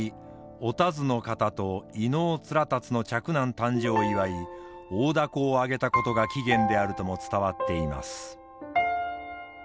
お田鶴の方と飯尾連龍の嫡男誕生を祝い大凧を揚げたことが起源であるとも伝わっています。